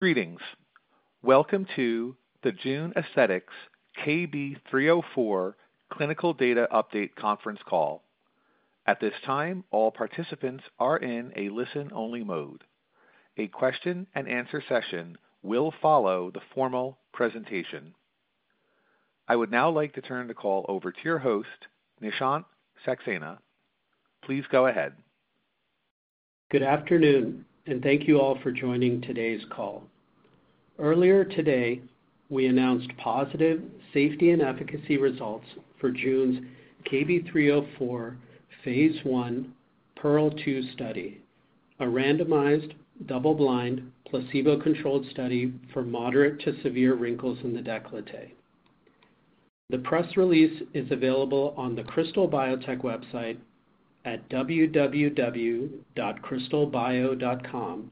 Greetings. Welcome to the June Aesthetics KB304 Clinical Data Update conference call. At this time, all participants are in a listen-only mode. A question and answer session will follow the formal presentation. I would now like to turn the call over to your host, Nishant Saxena. Please go ahead. Good afternoon and thank you all for joining today's call. Earlier today we announced positive safety and efficacy results for June's KB304 Phase 1 Pearl 2 study, a randomized double-blind placebo-controlled study for moderate to severe wrinkles in the decolletage. The press release is available on the Krystal Biotech website at www.krystalbio.com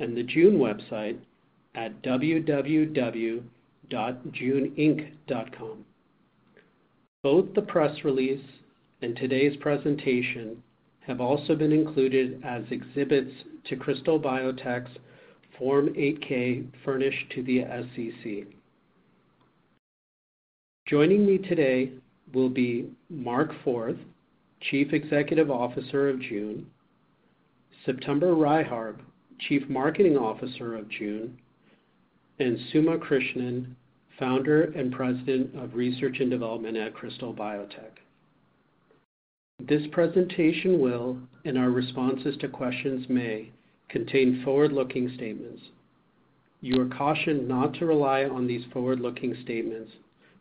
and the June website at www.juneinc.com. Both the press release and today's presentation have also been included as exhibits to Krystal Biotech's Form 8-K. Joining me today will be Mark Forth, Chief Executive Officer of June, September Reichart, Chief Marketing Officer of June, and Suma Krishnan, Founder and President of Research and Development at Krystal Biotech. This presentation and our responses to questions may contain forward-looking statements. You are cautioned not to rely on these forward-looking statements,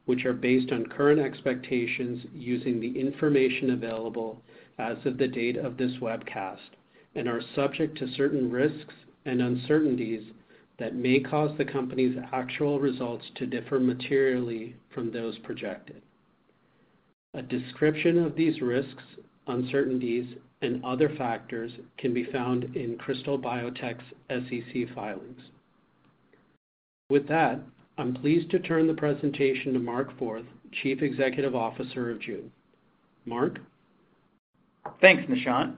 which are based on current expectations using the information available as of the date of this webcast and are subject to certain risks and uncertainties that may cause the company's actual results to differ materially from those projected. A description of these risks, uncertainties, and other factors can be found in Krystal Biotech's SEC filings. With that, I'm pleased to turn the presentation to Mark Forth, Chief Executive Officer of June. Thanks Nishant.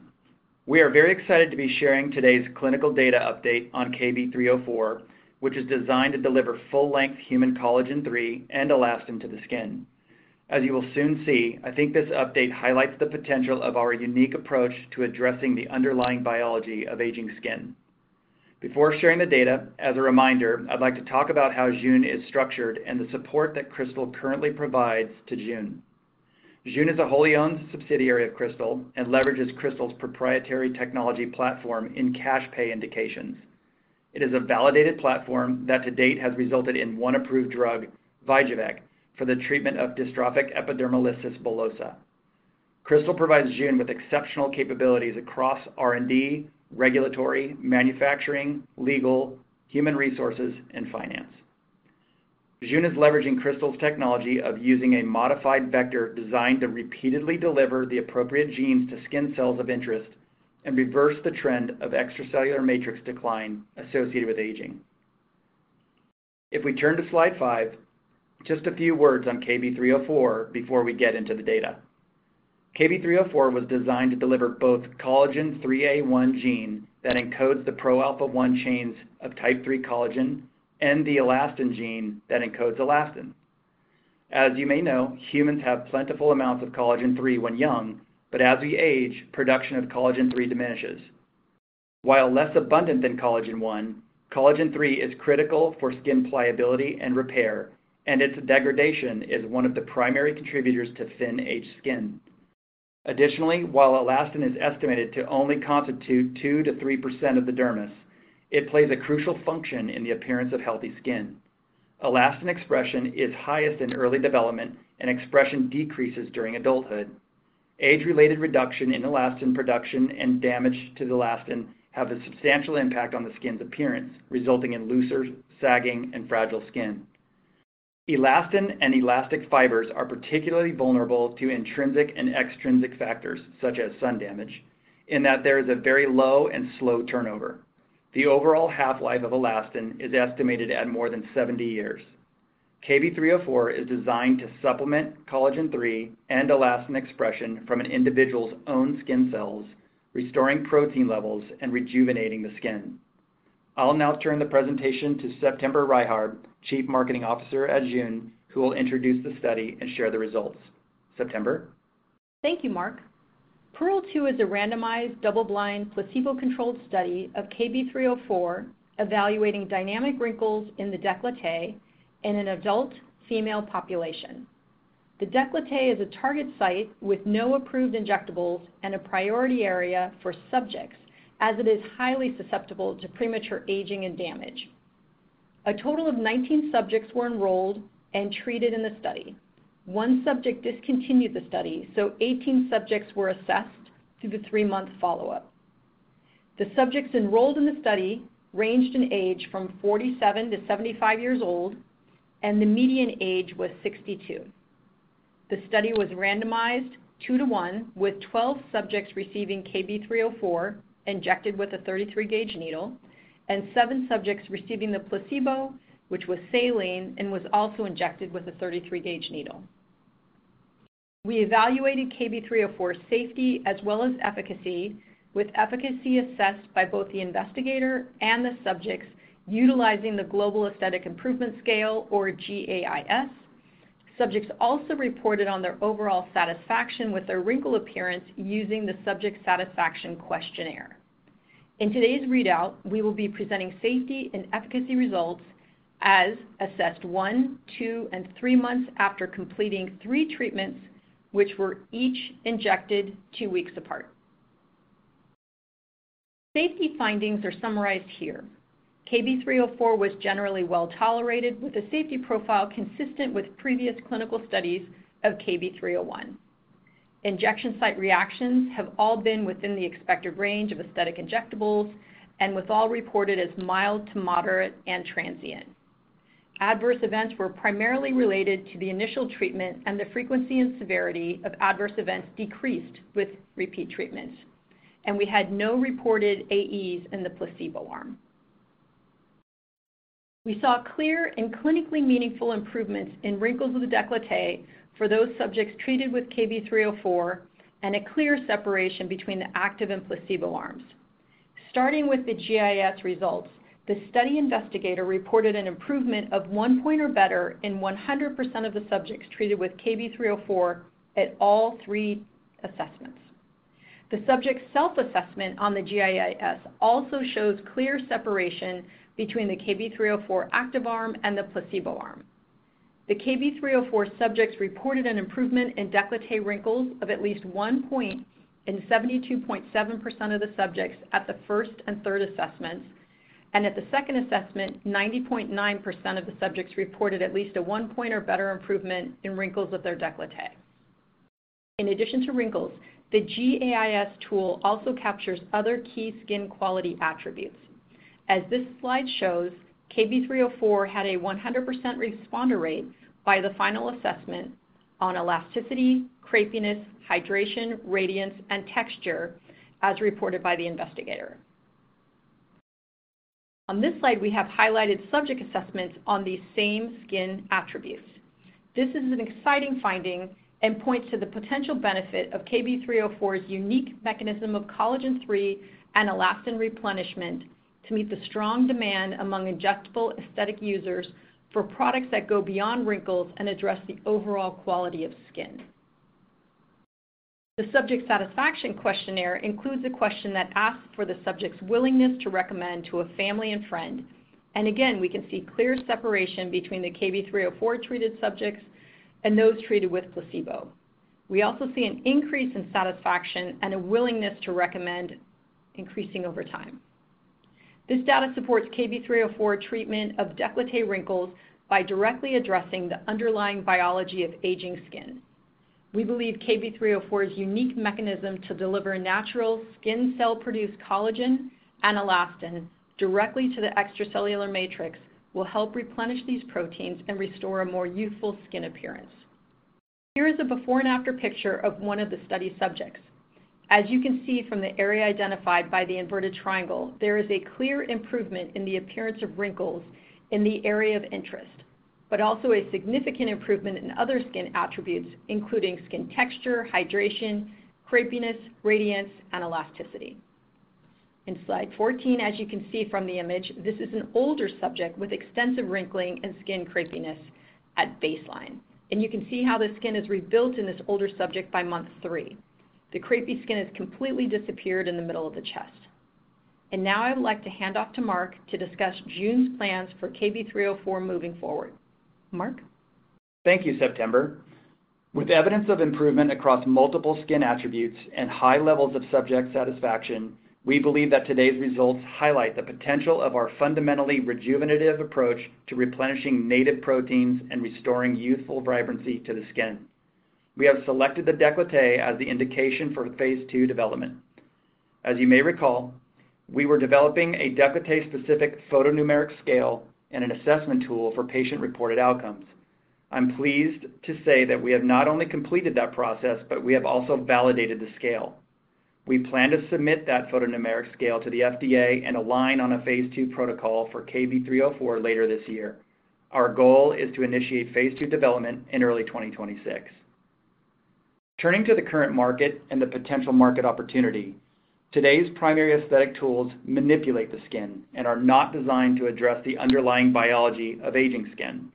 We are very excited to be sharing today's clinical data update on KB304, which is designed to deliver full-length human collagen III and elastin to the skin. As you will soon see, I think this update highlights the potential of our unique approach to addressing the underlying biology of aging skin. Before sharing the data, as a reminder, I'd like to talk about how June is structured and the support that Krystal currently provides to June. June is a wholly owned subsidiary of Krystal and leverages Krystal's proprietary technology platform in cash pay indications. It is a validated platform that to date has resulted in one approved drug, Vyjuvek, for the treatment of dystrophic epidermolysis bullosa. Krystal provides June with exceptional capabilities across R&D, regulatory, manufacturing, legal, human resources, and finance. June is leveraging Krystal's technology of using a modified vector designed to repeatedly deliver the appropriate genes to skin cells of interest and reverse the trend of extracellular matrix decline associated with aging. If we turn to slide 5, just a few words on KB304 before we get into the data. KB304 was designed to deliver both collagen III, a gene that encodes the pro alpha 1 chains of type III collagen, and the elastin gene that encodes elastin. As you may know, humans have plentiful amounts of collagen III when young, but as we age, production of collagen III diminishes. While less abundant than collagen I, collagen III is critical for skin pliability and repair, and its degradation is one of the primary contributors to thin, aged skin. Additionally, while elastin is estimated to only constitute 2 to 3% of the dermis, it plays a crucial function in the appearance of healthy skin. Elastin expression is highest in early development, and expression decreases during adulthood. Age-related reduction in elastin production and damage to the elastin have a substantial impact on the skin's appearance, resulting in looser, sagging, and fragile skin. Elastin and elastic fibers are particularly vulnerable to intrinsic and extrinsic factors such as sun damage in that there is a very low and slow turnover. The overall half-life of elastin is estimated at more than 70 years. KB304 is designed to supplement collagen III and elastin expression from an individual's own skin cells, restoring protein levels and rejuvenating the skin. I'll now turn the presentation to September Reichart, Chief Marketing Officer at June, who will introduce the study and share the results. September, thank you. Pearl 2 is a randomized double-blind placebo-controlled study of KB304 evaluating dynamic wrinkles in the decolletage in an adult female population. The decolletage is a target site with no approved injectables and a priority area for subjects as it is highly susceptible to premature aging and damage. A total of 19 subjects were enrolled and treated in the study. One subject discontinued the study, so 18 subjects were assessed through the three-month follow-up. The subjects enrolled in the study ranged in age from 47 to 75 years old, and the median age was 62. The study was randomized 2 to 1, with 12 subjects receiving KB304 injected with a 33-gauge needle and 7 subjects receiving the placebo, which was saline and was also injected with a 33-gauge needle. We evaluated KB304 safety as well as efficacy, with efficacy assessed by both the investigator and the subjects utilizing the Global Aesthetic Improvement Scale or GAIS. Subjects also reported on their overall satisfaction with their wrinkle appearance using the Subject Satisfaction Questionnaire. In today's readout, we will be presenting safety and efficacy results as assessed 1, 2, and 3 months after completing 3 treatments, which were each injected 2 weeks apart. Safety findings are summarized here. KB304 was generally well tolerated with a safety profile consistent with previous clinical studies of KB301. Injection site reactions have all been within the expected range of aesthetic injectables, with all reported as mild to moderate and transient. Adverse events were primarily related to the initial treatment, and the frequency and severity of adverse events decreased with repeat treatments. We had no reported AEs in the placebo arm. We saw clear and clinically meaningful improvements in wrinkles of the decolletage for those subjects treated with KB304 and a clear separation between the active and placebo arms. Starting with the GAIS results, the study investigator reported an improvement of 1 point or better in 100% of the subjects treated with KB304 at all three assessments. The subjects' self-assessment on the GAIS also shows clear separation between the KB304 active arm and the placebo arm. The KB304 subjects reported an improvement in decolletage wrinkles of at least 1 point in 72.7% of the subjects at the first and third assessment, and at the second assessment, 90.9% of the subjects reported at least a 1 point or better improvement in wrinkles of their decolletage. In addition to wrinkles, the GAIS tool also captures other key skin quality attributes. As this slide shows, KB304 had a 100% responder rate by the final assessment on elasticity, crepiness, hydration, radiance, and texture as reported by the investigator. On this. Slide, we have highlighted subject assessments on these same skin attributes. This is an exciting finding and points to the potential benefit of KB304's unique mechanism of collagen III and elastin replenishment to meet the strong demand among injectable aesthetic users for products that go beyond wrinkles and address the overall quality of skin. The Subject Satisfaction Questionnaire includes a question that asks for the subject's willingness to recommend to a family and friend. We can see clear separation between the KB304 treated subjects and those treated with placebo. We also see an increase in satisfaction and a willingness to recommend increasing over time. This data supports KB304 treatment of decolletage wrinkles by directly addressing the underlying biology of aging skin. We believe KB304's unique mechanism to deliver natural skin cell produced collagen and elastin directly to the extracellular matrix will help replenish these proteins and restore a more youthful skin appearance. Here is a before and after picture of one of the study subjects. As you can see from the area identified by the inverted triangle, there is a clear improvement in the appearance of wrinkles in the area of interest, but also a significant improvement in other skin attributes including skin texture, hydration, crepiness, radiance, and elasticity in slide 14. As you can see from the image, this is an older subject with extensive wrinkling and skin crepiness at baseline and you can see how the skin is rebuilt in this older subject. By month three, the crepey skin has completely disappeared in the middle of the chest and now I would like to hand off to Mark to discuss June's plans for KB304 moving forward. Mark, thank you. September, with evidence of improvement across multiple skin attributes and high levels of subject satisfaction, we believe that today's results highlight the potential of our fundamentally rejuvenative approach to replenishing native proteins and restoring youthful vibrancy to the skin. We have selected the decolletage as the indication for Phase 2 development. As you may recall, we were developing a decolletage-specific photonumeric scale and an assessment tool for patient-reported outcomes. I'm pleased to say that we have not only completed that process, but we have also validated the scale. We plan to submit that photonumeric scale to the FDA and align on a Phase 2 protocol for KB304 later this year. Our goal is to initiate Phase 2 development in early 2026. Turning to the current market and the potential market opportunity, today's primary aesthetic tools manipulate the skin and are not designed to address the underlying biology of aging. Skin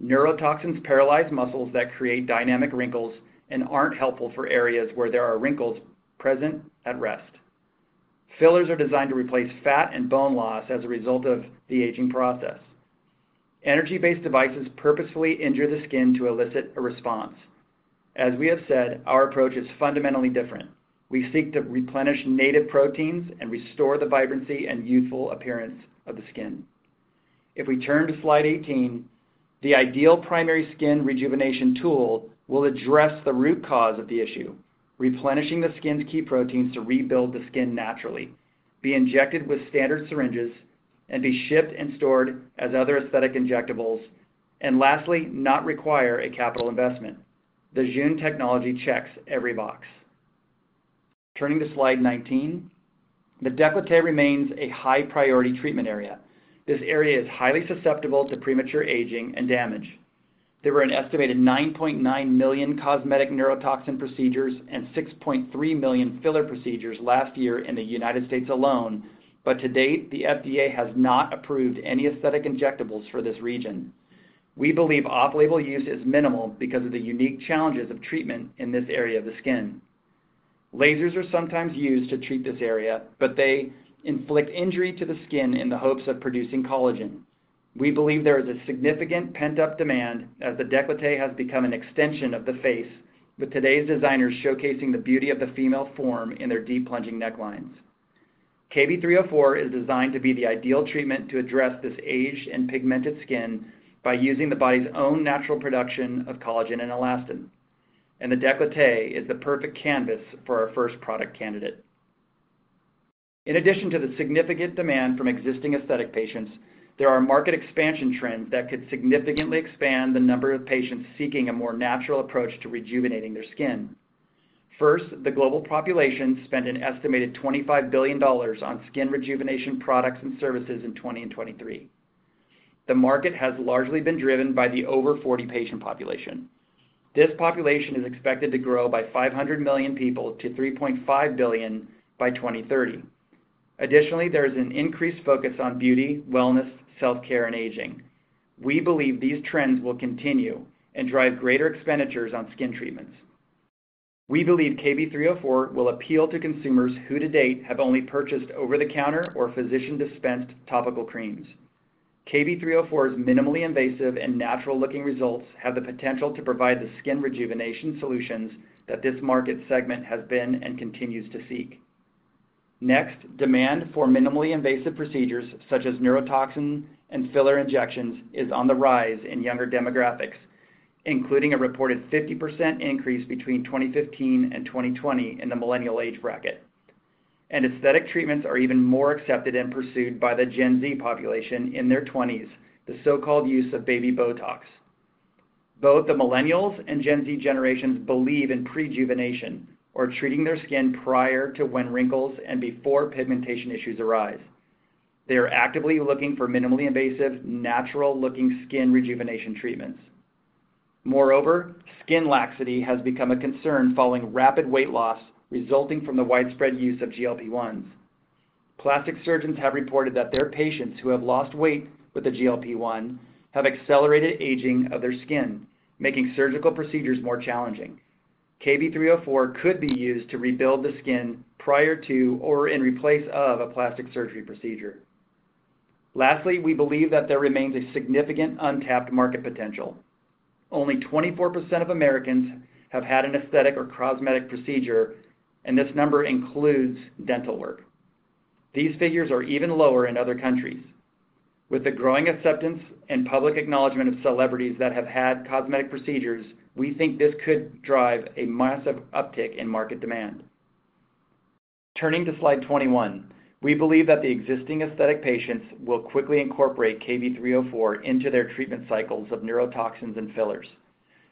neurotoxins paralyze muscles that create dynamic wrinkles and aren't helpful for areas where there are wrinkles present at rest. Fillers are designed to replace fat and bone loss as a result of the aging process. Energy-based devices purposefully injure the skin to elicit a response. As we have said, our approach is fundamentally different. We seek to replenish native proteins and restore the vibrancy and youthful appearance of the skin. If we turn to slide 18, the ideal primary skin rejuvenation tool will address the root cause of the issue, replenishing the skin's key proteins to rebuild the skin naturally, be injected with standard syringes, and be shipped and stored as other aesthetic injectables. Lastly, it should not require a capital investment. The June technology checks every box. Turning to slide 19, the decolletage remains a high-priority treatment area. This area is highly susceptible to premature aging and damage. There were an estimated 9.9 million cosmetic neurotoxin procedures and 6.3 million filler procedures last year in the U.S. alone, but to date the FDA has not approved any aesthetic injectables for this region. We believe off-label use is minimal because of the unique challenges of treatment in this area of the skin. Lasers are sometimes used to treat this area, but they inflict injury to the skin in the hopes of producing collagen. We believe there is a significant pent-up demand as the decolletage has become an extension of the face, with today's designers showcasing the beauty of the female form in their deep plunging necklines. KB304 is designed to be the ideal treatment to address this aged and pigmented skin by using the body's own natural production of collagen and elastin, and the decolletage is the perfect canvas for our first product candidate. In addition to the significant demand from existing aesthetic patients, there are market expansion trends that could significantly expand the number of patients seeking a more natural approach to rejuvenating their skin. First, the global population spent an estimated $25 billion on skin rejuvenation products and services in 2023. The market has largely been driven by the over-40 patient population. This population is expected to grow by 500 million people to 3.5 billion by 2030. Additionally, there is an increased focus on beauty, wellness, self-care, and aging. We believe these trends will continue and drive greater expenditures on skin treatments. We believe KB304 will appeal to consumers who to date have only purchased over-the-counter or physician-dispensed topical creams. KB304's minimally invasive and natural-looking results have the potential to provide the skin rejuvenation solutions that this market segment has been and continues to seek. Next, demand for minimally invasive procedures such as neurotoxin and filler injections is on the rise in younger demographics, including a reported 50% increase between 2015 and 2020 in the millennial age bracket. Aesthetic treatments are even more accepted and pursued by the Gen Z population in their twenties. The so-called use of Baby Botox. Both the Millennials and Gen Z generations believe in prejuvenation, or treating their skin prior to when wrinkles and before pigmentation issues arise. They are actively looking for minimally invasive, natural-looking skin rejuvenation treatments. Moreover, skin laxity has become a concern following rapid weight loss resulting from the widespread use of GLP-1s. Plastic surgeons have reported that their patients who have lost weight with the GLP-1 have accelerated aging of their skin, making surgical procedures more challenging. KB304 could be used to rebuild the skin prior to or in place of a plastic surgery procedure. Lastly, we believe that there remains a significant untapped market potential. Only 24% of Americans have had an aesthetic or cosmetic procedure, and this number includes dental work. These figures are even lower in other countries. With the growing acceptance and public acknowledgement of celebrities that have had cosmetic procedures, we think this could drive a massive uptick in market demand. Turning to Slide 21, we believe that the existing aesthetic patients will quickly incorporate KB304 into their treatment cycles of neurotoxins and fillers,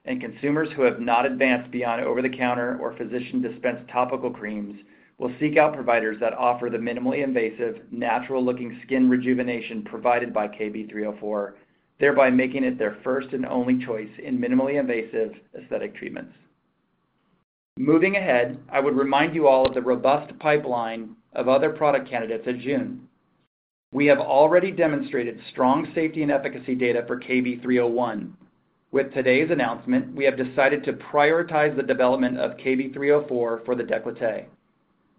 and consumers who have not advanced beyond over-the-counter or physician-dispensed topical creams will seek out providers that offer the minimally invasive, natural-looking skin rejuvenation provided by KB304, thereby making it their first and only choice in minimally invasive aesthetic treatments. Moving ahead, I would remind you all of the robust pipeline of other product candidates at June. We have already demonstrated strong safety and efficacy data for KB301. With today's announcement, we have decided to prioritize the development of KB304 for the decolletage.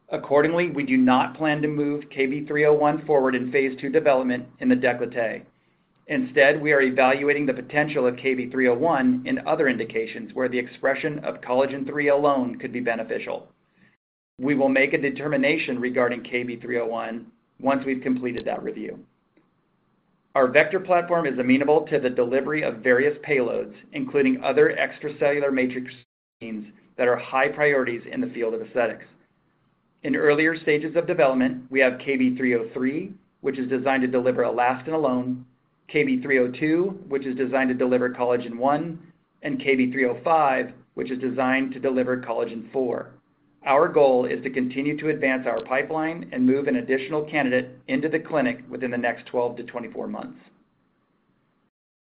Accordingly, we do not plan to move KB301 forward in phase 2 development in the decolletage. Instead, we are evaluating the potential of KB301 in other indications where the expression of collagen III alone could be beneficial. We will make a determination regarding KB301 once we've completed that review. Our vector platform is amenable to the delivery of various payloads, including other extracellular matrix that are high priorities in the field of aesthetics. In earlier stages of development, we have KB303, which is designed to deliver elastin alone, KB302, which is designed to deliver collagen I, and KB305, which is designed to deliver collagen IV. Our goal is to continue to advance our pipeline and move an additional candidate into the clinic within the next 12 to 24 months.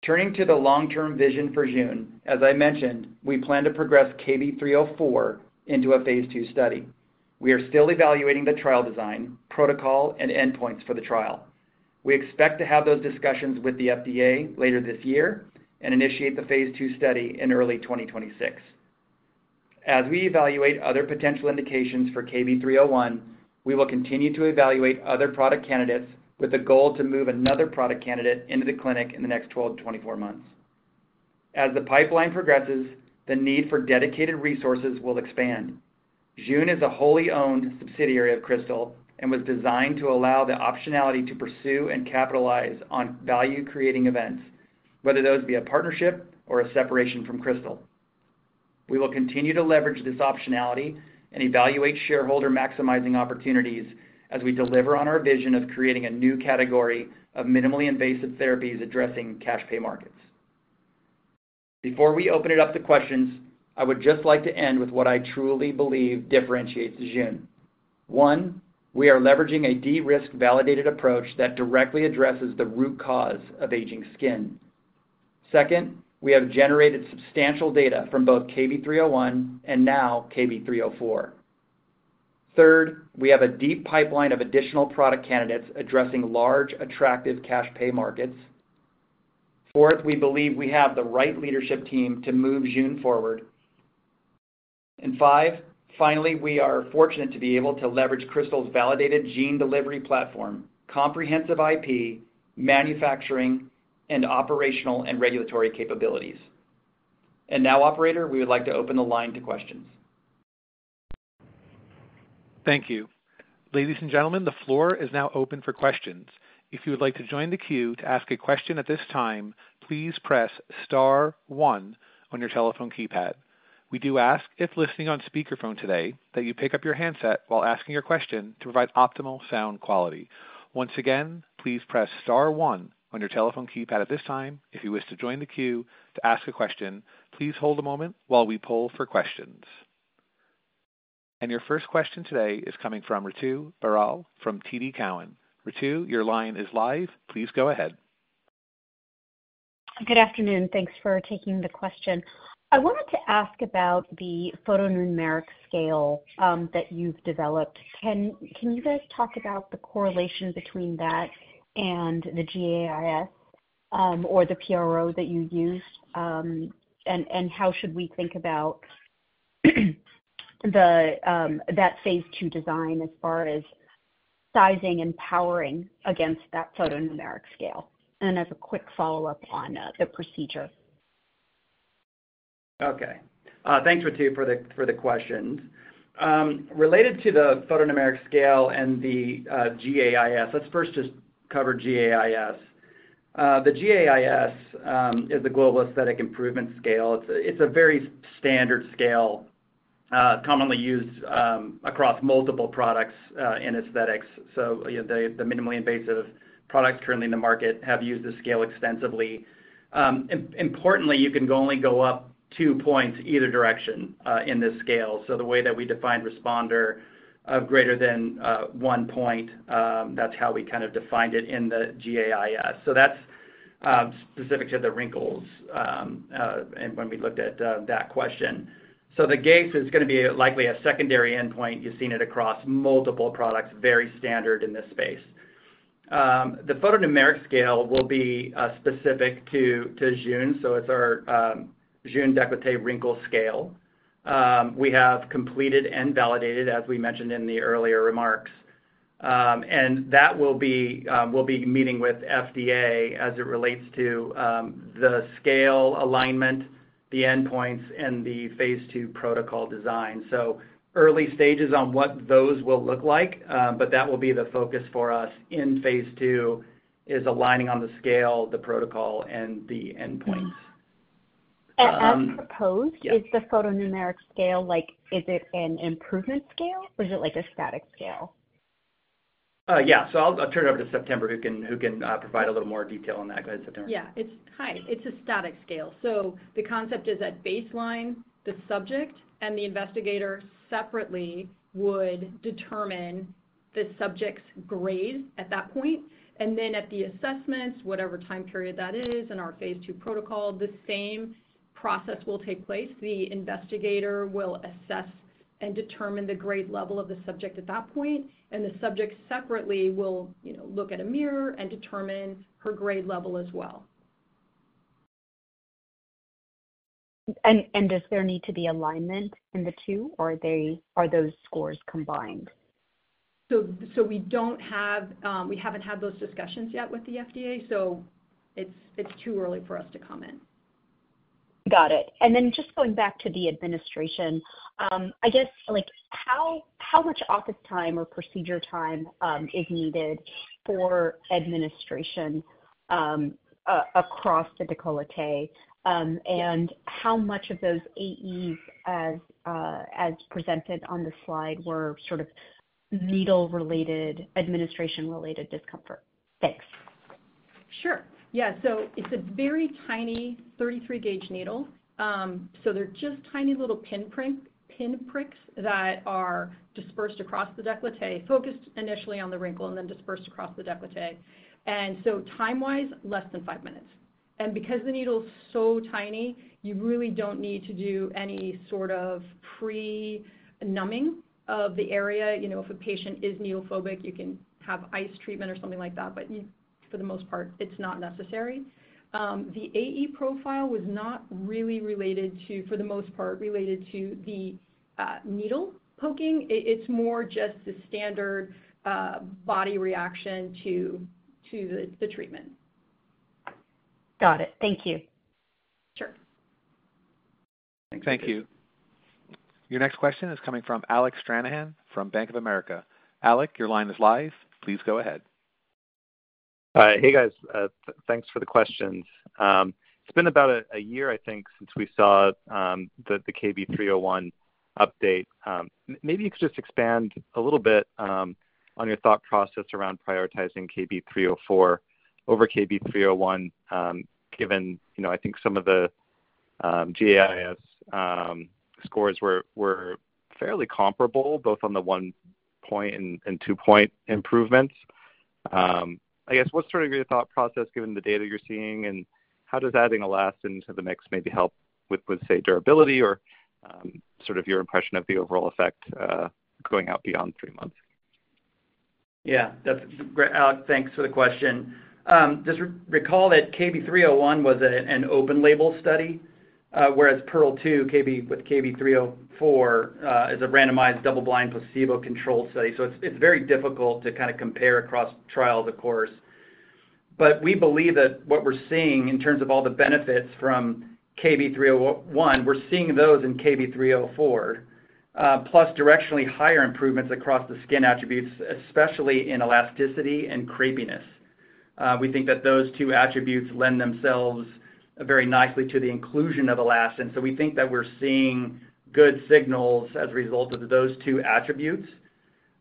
Turning to the long-term vision for June, as I mentioned, we plan to progress KB304 into a phase 2 study. We are still evaluating the trial design, protocol, and endpoints for the trial. We expect to have those discussions with the FDA later this year and initiate the phase 2 study in early 2026. As we evaluate other potential indications for KB301, we will continue to evaluate other product candidates with the goal to move another product candidate into the clinic in the next 12 to 24 months. As the pipeline progresses, the need for dedicated resources will expand. June is a wholly owned subsidiary of Krystal and was designed to allow the optionality to pursue and capitalize on value creating events, whether those be a partnership or a separation from Krystal. We will continue to leverage this optionality and evaluate shareholder maximizing opportunities as we deliver on our vision of creating a new category of minimally invasive therapies addressing cash pay markets. Before we open it up to questions, I would just like to end with what I truly believe differentiates June. One, we are leveraging a de-risked validated approach that directly addresses the root cause of aging skin. Second, we have generated substantial data from both KB301 and now KB304. Third, we have a deep pipeline of additional product candidates addressing large attractive cash pay markets. Fourth, we believe we have the right leadership team to move June forward, and five, finally, we are fortunate to be able to leverage Krystal's validated gene delivery platform, comprehensive IP, manufacturing, operational, and regulatory capabilities. Now, Operator, we would like to open the line to questions. Thank you. Ladies and gentlemen, the floor is now open for questions. If you would like to join the queue to ask a question at this time, please press star 1 on your telephone keypad. We do ask if listening on speakerphone today that you pick up your handset while asking your question to provide optimal sound quality. Once again, please press star 1 on your telephone keypad at this time. If you wish to join the queue to ask a question, please hold a moment while we poll for questions. Your first question today is coming from Ritu Baral from TD Cowen. Ritu, your line is live. Please go ahead. Good afternoon. Thanks for taking the question. I wanted to ask about the photonumeric scale that you've developed. Can you guys talk about the correlation between that and the GAIS or the PRO that you used and how should we think about that phase two design as far as sizing and powering against that photonumeric scale, and as a quick follow up on the procedure? Okay, thanks Ritu. For the questions related to the photonumeric scale and the GAIS, let's first just cover GAIS. The GAIS is the Global Aesthetic Improvement Scale. It's a very standard scale commonly used across multiple products in aesthetics. The minimally invasive products currently in the market have used this scale extensively. Importantly, you can only go up two points either direction in this scale. The way that we defined responder of greater than one point, that's how we kind of defined it in the GAIS. That's specific to the wrinkles when we looked at that question. The GAIS is going to be likely a secondary endpoint. You've seen it across multiple products. Very standard in this space. The photonumeric scale will be specific to June. It's our June decolletage wrinkle scale. We have completed and validated as we mentioned in the earlier remarks. We will be meeting with FDA as it relates to the scale alignment, the endpoints, and the phase two protocol design. Early stages on what those will look like, but that will be the focus for us in phase two is aligning on the scale, the protocol, and the endpoints as proposed. Is the photonumeric scale, like, is it an improvement scale or is it like a static scale? Yeah, I'll turn it over to September who can provide a little more detail on that. Go ahead, September. Yeah. Hi. It's a static scale. The concept is at baseline, the subject and the investigator separately would determine the subject's grades at that point. At the assessments, whatever time period that is in our phase two protocol, the same process will take place. The investigator will assess and determine the grade level of the subject at that point, and the subject separately will look at a mirror and determine her grade level as well. Does there need to be alignment in the two or are those scores combined? We don't have, we haven't had those discussions yet with the FDA, so it's too early for us to comment. Got it. Just going back to the administration, I guess like how much office time or procedure time is needed for administration across the decolletage and how much of those AEs as presented on the slide were sort of needle related, administration related, discomfort. Thanks. Sure. Yeah. It's a very tiny 33 gauge needle, so they're just tiny little pin pricks that are dispersed across the decolletage, focused initially on the wrinkle and then dispersed across the decolletage. Time wise, less than five minutes. Because the needle is so tiny, you really don't need to do any sort of pre-numbing of the area. If a patient is needle phobic, you can have ice treatment or something like that, but for the most part it's not necessary. The AE profile was not really related to, for the most part related to the needle poking. It's more just the standard body reaction to the treatment. Got it. Thank you. Sure. Thank you. Your next question is coming from Alec Stranahan from Bank of America. Alec, your line is live. Please go ahead. Hey guys, thanks for the questions. It's been about a year, I think, since we saw the KB301 update. Maybe you could just expand a little bit on your thought process around prioritizing KB304 over KB301 given, you know, I think some of the GAIS scores were fairly comparable both on the one point and two point improvements. What's sort of your thought process given the data you're seeing? How does adding elastin to the mix maybe help with, say, durability or your impression of the overall effect going out beyond three months? Yeah, that's great, Alec, thanks for the question. Just recall that KB301 was an open-label study, whereas Pearl 2 with KB304 is a randomized, double-blind, placebo-controlled study. It's very difficult to kind of compare across trials, of course. We believe that what we're seeing in terms of all the benefits from KB301, we're seeing those in KB304 plus directionally higher improvements across the skin attributes, especially in elasticity and crepiness. We think that those two attributes lend themselves very nicely to the inclusion of elastin. We think that we're seeing good signals as a result of those two attributes.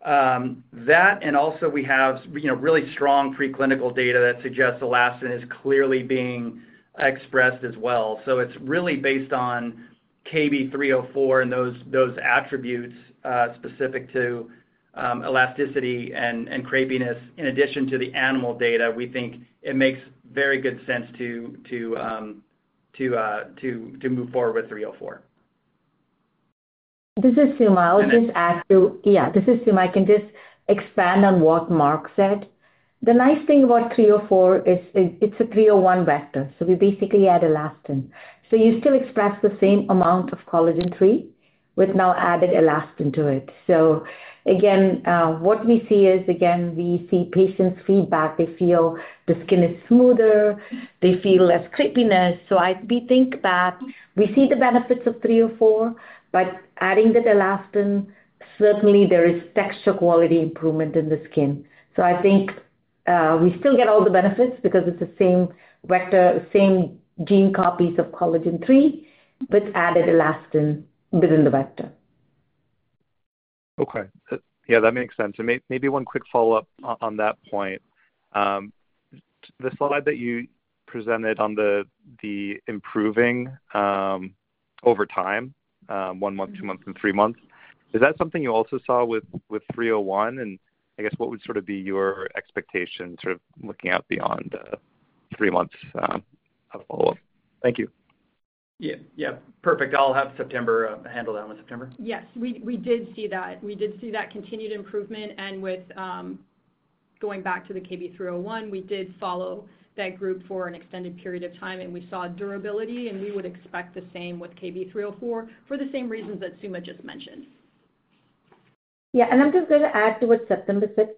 We also have really strong preclinical data that suggests elastin is clearly being expressed as well. It's really based on KB304 and those attributes specific to elasticity and crepiness in addition to the animal data. We think it makes very good sense. To. Move forward with KB304. This is Suma. I can just expand on what Mark said. The nice thing about KB304 is it's a KB301 vector. We basically add elastin so you still express the same amount of collagen III with now added elastin to it. What we see is patients' feedback, they feel the skin is smoother, they feel less crepiness. We think that we see the benefits of KB304 by adding the elastin. Certainly, there is texture quality improvement in the skin. I think we still get all the benefits because it's the same vector, same gene, copies of collagen III with added elastin within the vector. Okay, yeah, that makes sense. Maybe one quick follow up on that point. The slide that you presented on the improving over time, one month, two months, and three months. Is that something you also saw with KB301, and I guess what would sort of be your expectation, sort of looking out beyond three months of follow up? Thank you. Yeah, perfect. I'll have September handle that one. September. Yes, we did see that. We did see that continued improvement. With going back to the KB301, we did follow that group for an extended period of time, and we saw durability, and we would expect the same with KB304 for the same reasons that Suma just mentioned. Yeah, and I'm just going to add to what September said.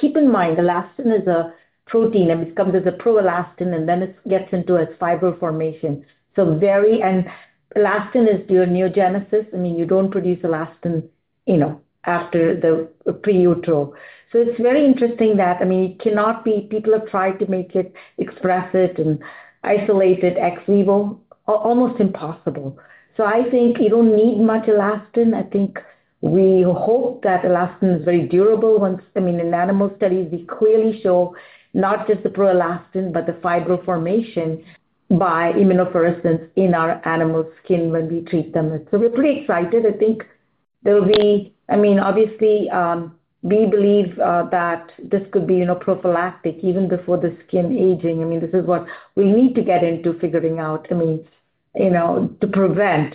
Keep in mind, elastin is a protein and it comes as a pro elastin and then it gets into its fiber formation. Elastin is your neogenesis. I mean, you don't produce elastin, you know, after the pre utero. It's very interesting that it cannot be. People have tried to make it, express it and isolate it ex vivo, almost impossible. I think you don't need much elastin. We hope that elastin is very durable. In animal studies we clearly show not just the pro elastin, but the fiber formation by immunofluorescence in our animal's skin when we treat them. We're pretty excited. I think there will be, obviously we believe that this could be prophylactic even before the skin aging. This is what we need to get into figuring out, you know, to prevent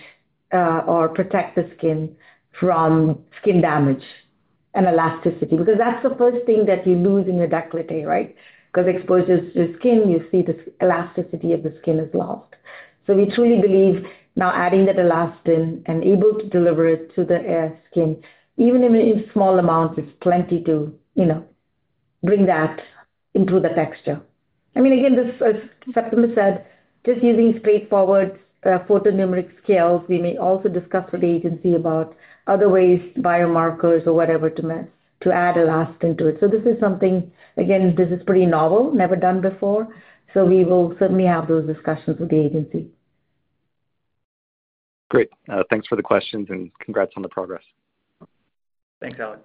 or protect the skin from skin damage and elasticity. That's the first thing that you lose in your decolletage. Right. Because exposure is your skin. You see, the elasticity of the skin is lost. We truly believe now adding that elastin and able to deliver it to the skin, even in small amounts, it's plenty to bring that into the texture. I mean, again, as September said, just using straightforward photonumeric scales. We may also discuss with the agency about other ways, biomarkers or whatever to add elastin to it. This is something again, this is pretty novel, never done before. We will certainly have those discussions with the agency. Great. Thanks for the questions and congrats on the progress. Thanks, Alex.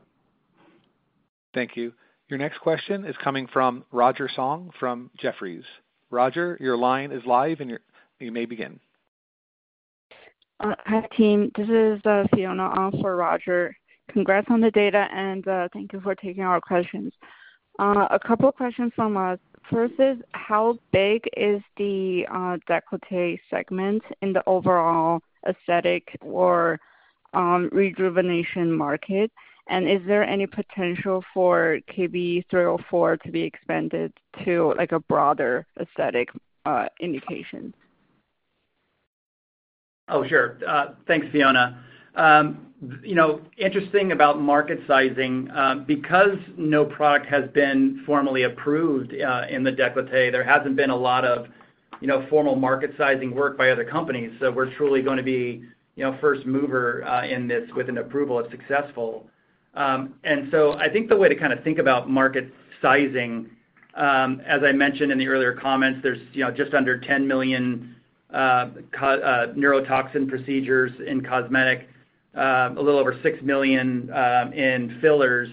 Thank you. Your next question is coming from Roger Song from Jefferies. Roger, your line is live and you may begin. Hi team. This is Fiona on for Roger. Congrats on the data and thank you for taking our questions, a couple questions from us. First, how big is the decolletage segment in the overall aesthetic or rejuvenation market, and is there any potential for KB304 to be expanded to a broader aesthetic indication? Oh, sure. Thanks, Fiona. Interesting about market sizing because no product has been formally approved in the decolletage. There hasn't been a lot of formal market sizing work by other companies. We're truly going to be first mover in this with an approval if successful. I think the way to kind of think about market sizing, as I mentioned in the earlier comments, there's just under 10 million neurotoxin procedures in cosmetic, a little over 6 million in fillers,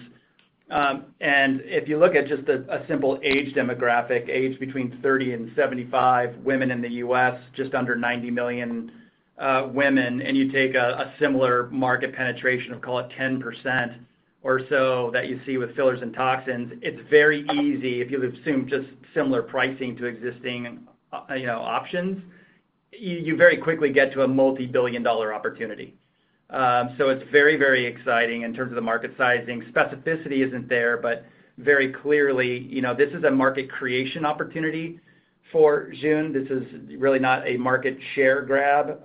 and if you look at just a simple age demographic, age between 30 and 75 women in the U.S., just under 90 million women, and you take a similar market penetration of, call it, 10% or so that you see with fillers and toxins, it's very easy. If you assume just similar pricing to existing options, you very quickly get to a multi-billion dollar opportunity. It's very, very exciting. In terms of the market sizing, specificity isn't there, but very clearly this is a market creation opportunity for June. This is really not a market share grab,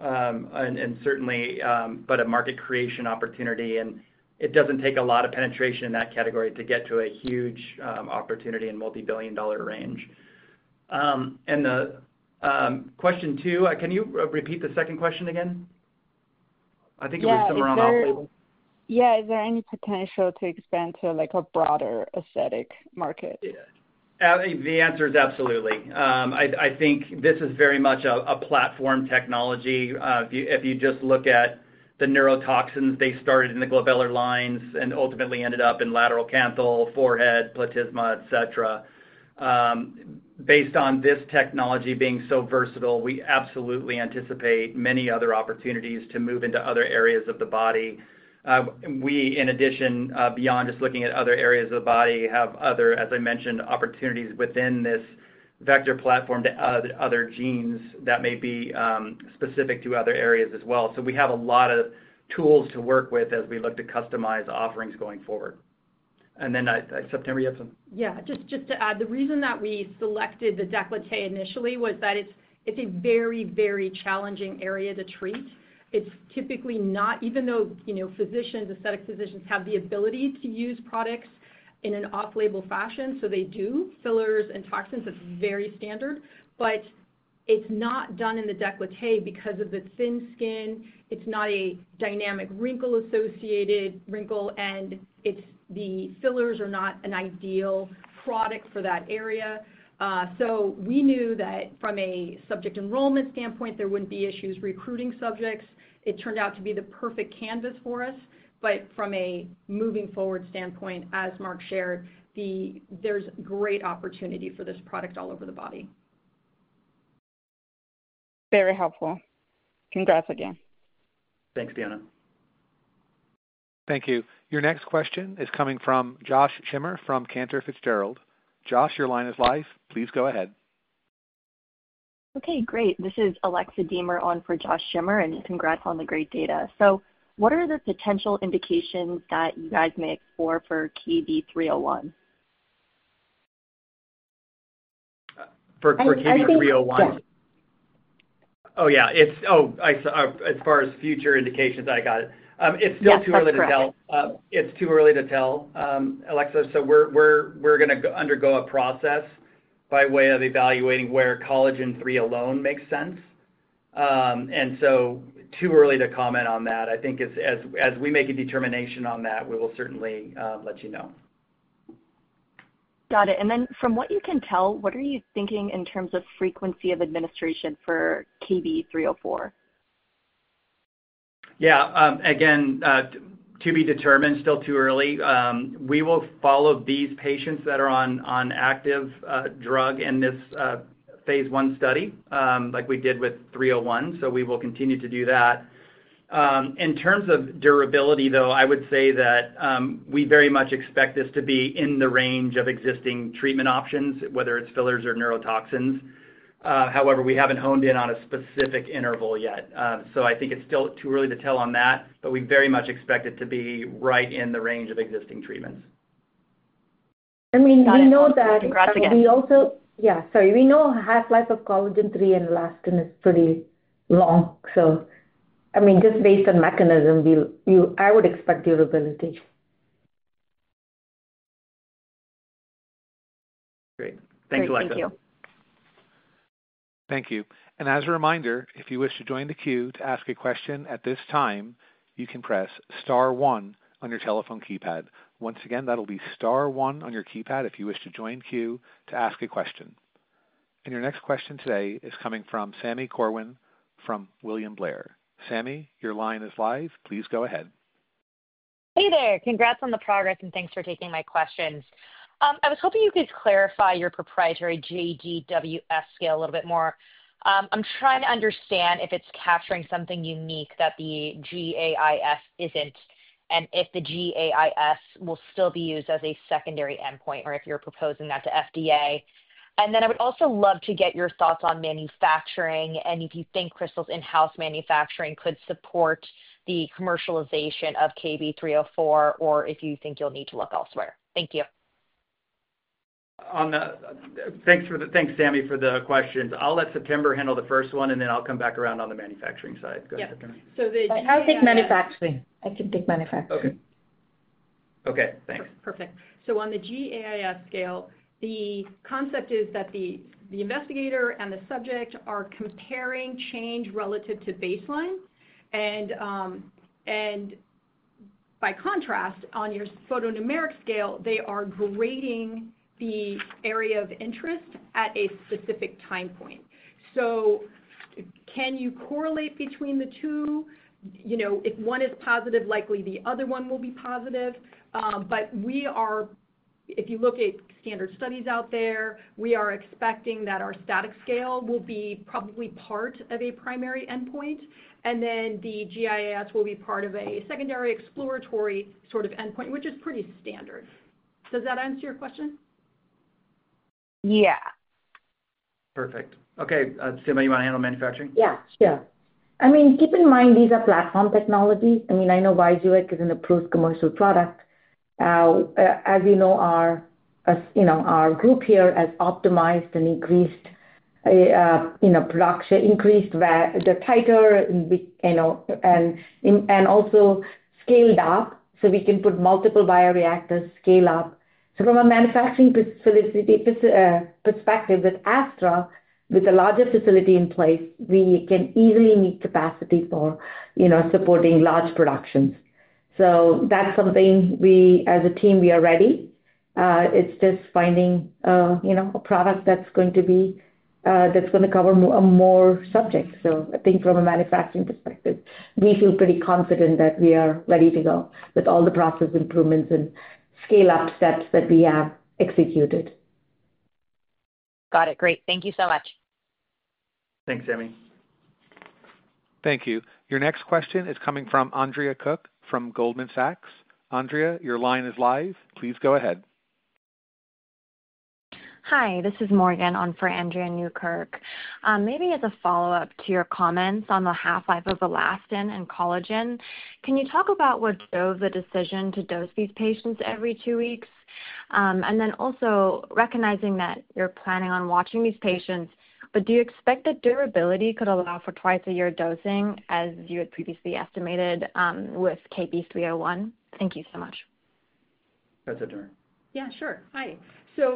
but a market creation opportunity, and it doesn't take a lot of penetration in that category to get to a huge opportunity and multi-billion dollar range. Can you repeat the second question again? I think it was somewhere on off label. Yeah. Is there any potential to expand to? A broader aesthetic market? The answer is absolutely. I think this is very much a platform technology. If you just look at the neurotoxins, they started in the glabellar lines and ultimately ended up in lateral canthal, forehead, platysma, et cetera. Based on this technology being so versatile, we absolutely anticipate many other opportunities to move into other areas of the body. In addition, beyond just looking at other areas of the body, we have other, as I mentioned, opportunities within this vector platform to other genes that may be specific to other areas as well. We have a lot of tools to work with as we look to customize offerings going forward. September, you have some. Yeah, just to add, the reason that we selected the decolletage initially was that it's a very, very challenging area to treat. It's typically not, even though physicians, aesthetic physicians have the ability to use products in an off-label fashion. They do fillers and toxins, that's very standard, but it's not done in the decolletage because of the thin skin. It's not a dynamic wrinkle, associated wrinkle, and the fillers are not an ideal product for that area. We knew that from a subject enrollment standpoint, there wouldn't be issues recruiting subjects. It turned out to be the perfect, perfect canvas for us. From a moving forward standpoint, as Mark shared, there's great opportunity for this product all over the body. Very helpful. Congrats again. Thanks, Deanna. Thank you. Your next question is coming from Joshua Schimmer from Cantor Fitzgerald. Josh, your line is live. Please go ahead. Okay, great. This is Alexa Deamer on for Joshua Schimmer. Congrats on the great data. What are the potential indications that you guys may explore for KB301? For KB301? As far as future indications, I got it. It's still too early to tell. It's too early to tell, Alexa. We're going to undergo a process by way of evaluating where collagen III alone makes sense. It's too early to comment on that. I think as we make a determination on that, we will certainly let you know. Got it. From what you can tell, what are you thinking in terms of frequency of administration for KB304? Yeah, again, to be determined. Still too early. We will follow these patients that are on active drug in this phase 1 study like we did with KB301. We will continue to do that. In terms of durability, though, I would say that we very much expect this to be in the range of existing treatment options, whether it's filler procedures or neurotoxin procedures. However, we haven't honed in on a specific interval yet. I think it's still too early to tell on that. We very much expect it to be right in the range of existing treatments. Yeah, sorry, we know half-life of collagen III and elastin is pretty long. I mean, just based on mechanism, I would expect durability. Great. Thank you, Leca. Thank you. Thank you. As a reminder, if you wish to join the queue to ask a question at this time, you can press star one on your telephone keypad. Once again, that will be star one on your keypad if you wish to join the queue to ask a question. Your next question today is coming from Sami Corwin from William Blair. Sami, your line is live. Please go ahead. Hey there. Congrats on the progress and thanks for taking my questions. I was hoping you could clarify your proprietary JDWF scale a little bit more. I'm trying to understand if it's capturing something unique that the GAIS isn't, and if the GAIS will still be used as a secondary endpoint or if you're proposing that to FDA. I would also love to get your thoughts on manufacturing and if you think Krystal's in-house manufacturing could support the commercialization of KB304, or if you think you'll need to look elsewhere. Thank you. Thanks, Sami, for the questions. I'll let September handle the first one, and then I'll come back around. On the manufacturing side, how do you think manufacturing? I can take manufacturing. Okay, thanks. Perfect. On the GAIS, the concept is that the investigator and the subject are comparing change relative to baseline. By contrast, on your photonumeric scale, they are grading the area of interest at a specific time point. Can you correlate between the two? If one is positive, likely the other one will be positive. If you look at standard studies out there, we are expecting that our static scale will probably be part of a primary endpoint, and then the GAIS will be part of a secondary exploratory sort of endpoint, which is pretty standard. Does that answer your question? Yeah, perfect. Okay. Suma, you want to handle manufacturing? Yeah, sure. I mean, keep in mind these are platform technologies. I mean, I know Vyjuvek is an approved commercial product. As you know, our group here has optimized and increased production, increased the titer, and also scaled up so we can put multiple bioreactors, scale up. From a manufacturing perspective, with Astra, with a larger facility in place, we can easily meet capacity for supporting large productions. That's something we, as a team, are ready. It's just finding a product that's going to cover more subjects. I think from a manufacturing perspective, we feel pretty confident that we are ready to go with all the process improvements and scale up steps that we have executed. Got it. Great. Thank you so much. Thanks Amy. Thank you. Your next question is coming from Andrea Newkirk from Goldman Sachs. Andrea, your line is live. Please go ahead. Hi, this is Morgan on for Andrea Newkirk. Maybe as a follow up to your comments on the half life of elastin and collagen, can you talk about what. Drove the decision to dose these patients. Every two weeks, and then also recognizing that you're planning on watching these patients, do you expect that durability could allow for twice a year dosing as you had previously estimated with KB301? Thank you so much. That's it, Tamara? Hi.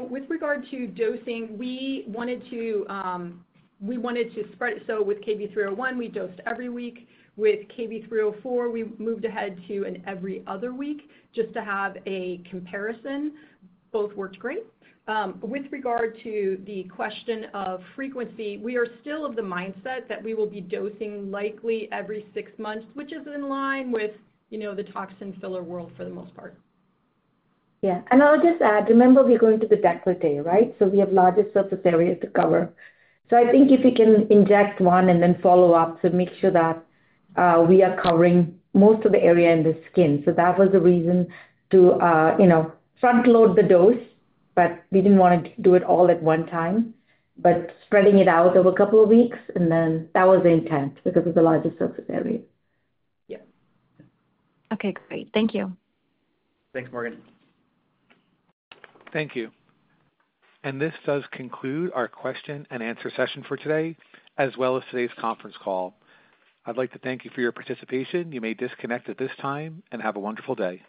With regard to dosing, we wanted to spread it. With KB301, we dosed every week. With KB304, we moved ahead to an every other week just to have a comparison. Both worked great. With regard to the question of frequency, we are still of the mindset that we will be dosing likely every six months, which is in line with the toxin filler world for the most part. Yeah. I'll just add, remember, we're going to the decolletage, right. We have a larger surface area to cover. I think if you can inject one and then follow up to make sure that we are covering most of the area in the skin, that was the reason to front load the dose. We didn't want to do it all at one time, but spreading it out over a couple of weeks, that was the intent because of the larger surface area. Yeah. Okay, great. Thank you. Thanks, Morgan. Thank you. This does conclude our question and answer session for today, as well as today's conference call. I'd like to thank you for your participation. You may disconnect at this time and have a wonderful day.